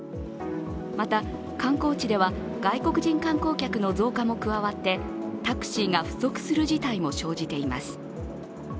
また、観光地では外国人観光客の増加も加わってタクシーが不足する事態も生じています。